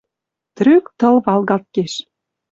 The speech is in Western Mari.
Трӱк тыл валгалт кеш. —